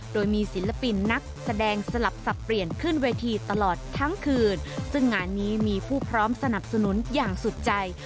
โดยมีศิลปินนักแสดงสลับสับเปลี่ยนขึ้นเวทีตลอดทั้งคืนซึ่งงานนี้มีผู้พร้อมสนับสนุนอย่างสุดใจ